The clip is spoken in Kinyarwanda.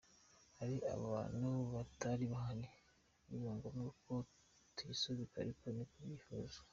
hari abantu batari bahari biba ngombwa ko tuyisubika ariko niko tubyifuza.